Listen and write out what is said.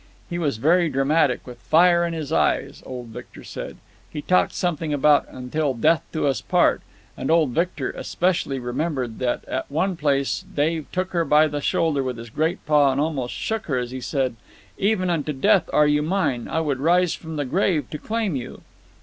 He was very dramatic, with fire in his eyes, old Victor said. He talked something about 'until death do us part'; and old Victor especially remembered that at one place Dave took her by the shoulder with his great paw and almost shook her as he said: 'Even unto death are you mine, and I would rise from the grave to claim you.